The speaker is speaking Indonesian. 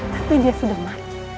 tapi dia sudah mati